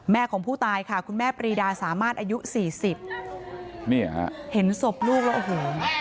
ของผู้ตายค่ะคุณแม่ปรีดาสามารถอายุสี่สิบนี่ฮะเห็นศพลูกแล้วโอ้โห